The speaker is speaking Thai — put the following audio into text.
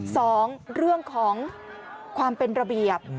สองเรื่องของความเป็นระเบียบ